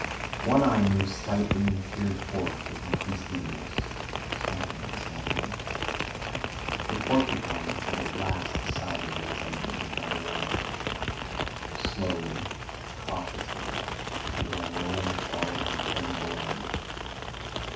One Eye moved slightly and peered forth with increased eagerness. Something was happening. The porcupine had at last decided that its enemy had gone away. Slowly, cautiously, it was unrolling its ball of impregnable armour.